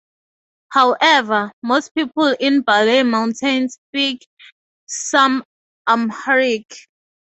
However, most people in Bale Mountains speak some Amharic.